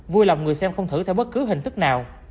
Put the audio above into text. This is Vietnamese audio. vui lòng người xem không thử theo bất cứ hình thức nào